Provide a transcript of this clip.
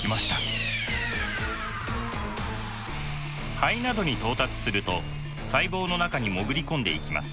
肺などに到達すると細胞の中に潜り込んでいきます。